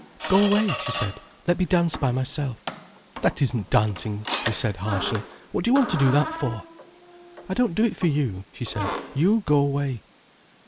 "Go away," she said. "Let me dance by myself." "That isn't dancing," he said harshly. "What do you want to do that for?" "I don't do it for you," she said. "You go away."